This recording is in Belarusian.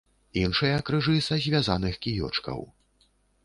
Іншыя крыжы са звязаных кіёчкаў.